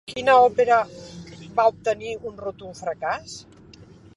Quina òpera va obtenir un rotund fracàs?